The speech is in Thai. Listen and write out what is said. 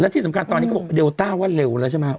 แล้วที่สำคัญตอนนี้เดลต้าว่าเร็วแล้วใช่ไหม